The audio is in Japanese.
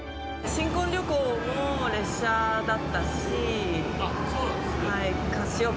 新婚旅行も列車だったし。